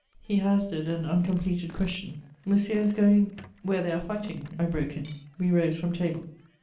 He hazarded an uncompleted question: "Monsieur is going ?" "Where they are fighting," I broke in. We rose from table.